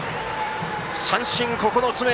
三振、９つ目！